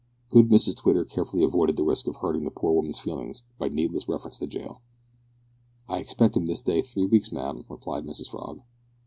Good Mrs Twitter carefully avoided the risk of hurting the poor woman's feelings by needless reference to jail. "I expect him this day three weeks, ma'am," replied Mrs Frog.